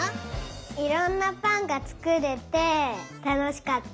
いろんなぱんがつくれてたのしかった。